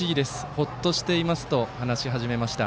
ホッとしていますと話し始めました。